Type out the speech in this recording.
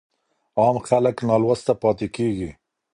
عام خلګ نالوسته پاته کيږي.